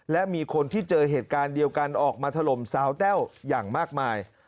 และมีคนที่เจอเหตุการณ์เดียวกันออกมาถล่มสาวแต้วอย่างมากมาย